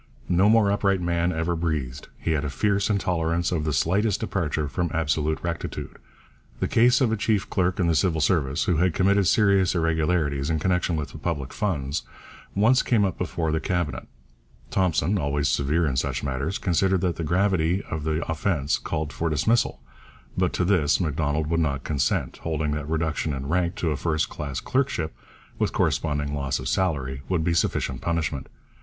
No more upright man ever breathed. He had a fierce intolerance of the slightest departure from absolute rectitude. The case of a chief clerk in the Civil Service, who had committed serious irregularities in connection with the public funds, once came up before the Cabinet. Thompson, always severe in such matters, considered that the gravity of the offence called for dismissal, but to this Macdonald would not consent, holding that reduction in rank to a first class clerkship, with corresponding loss of salary, would be sufficient punishment.